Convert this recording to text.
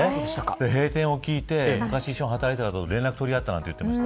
閉店を聞いて昔、一緒に働いてた人と連絡を取り合ったなんて言ってました。